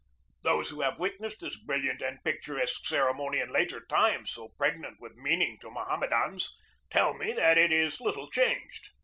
Those who have witnessed this brilliant and pictur esque ceremony in later times, so pregnant with meaning to Mohammedans, tell me that it is little changed.